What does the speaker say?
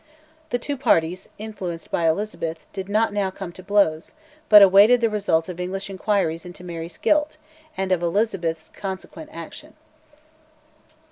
The two parties, influenced by Elizabeth, did not now come to blows, but awaited the results of English inquiries into Mary's guilt, and of Elizabeth's consequent action.